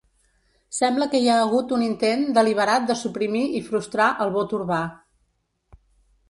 Sembla que hi hagut un intent deliberat de suprimir i frustrar el vot urbà.